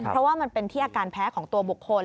เพราะว่ามันเป็นที่อาการแพ้ของตัวบุคคล